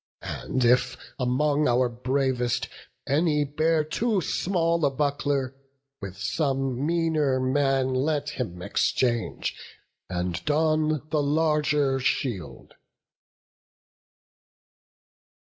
And if, among our bravest, any bear Too small a buckler, with some meaner man Let him exchange, and don the larger shield."